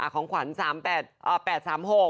ของขวัญ๘๓๖บาท